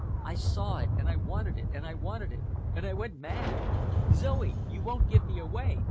I saw it, and I wanted it and I wanted it, and I went mad! Zoe, you won't give me away?